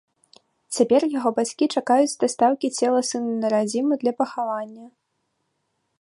Цяпер яго бацькі чакаюць дастаўкі цела сына на радзіму для пахавання.